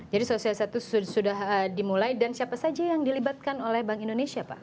jadi sosialisasi itu sudah dimulai dan siapa saja yang dilibatkan oleh bank indonesia pak